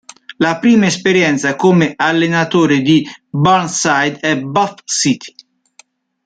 La prima esperienza come allenatore di Burnside è Bath City.